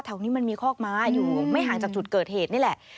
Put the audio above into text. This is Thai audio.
นี้มันมีคอกม้าอยู่ไม่ห่างจากจุดเกิดเหตุนี่แหละ